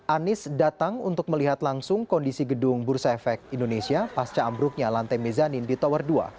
anies datang untuk melihat langsung kondisi gedung bursa efek indonesia pasca ambruknya lantai mezanin di tower dua